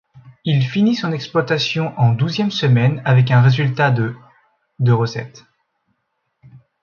Il finit son exploitation en douzième semaine avec un résultat de de recettes.